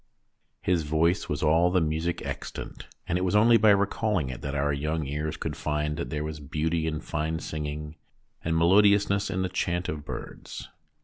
His voice was all the music extant, and it was only by recalling it that our young ears could find that there was beauty in fine singing and melodiousness in the chaunt of birds.